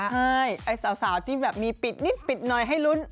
ใช่ไอ้สาวที่แบบมีปิดนิดปิดหน่อยให้ลุ้น